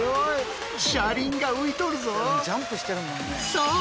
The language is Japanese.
そう！